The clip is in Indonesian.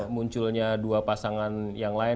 munculnya dua pasangan yang lain